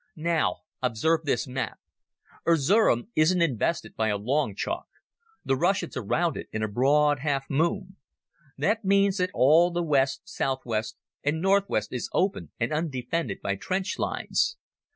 Now observe this map. Erzerum isn't invested by a long chalk. The Russians are round it in a broad half moon. That means that all the west, south west, and north west is open and undefended by trench lines.